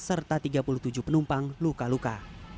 serta tiga puluh tujuh penumpang luka luka